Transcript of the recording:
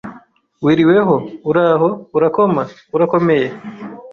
wiriweho, uraho, urakoma, urakomeye